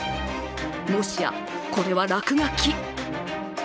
もしや、これは落書き？